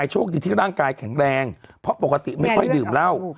โชคดีที่ร่างกายแข็งแรงเพราะปกติไม่ค่อยดื่มเหล้า